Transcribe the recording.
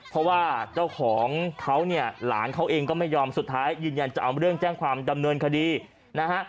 เพราะว่าเจ้าของเขาเนี่ยหลานเขาเองก็ไม่ยอมสุดท้ายยืนยันจะเอาเรื่องแจ้งความดำเนินคดีนะฮะ